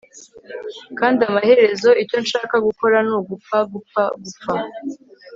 kandi amaherezo icyo nshaka gukora ni ugupfa, gupfa, gupfa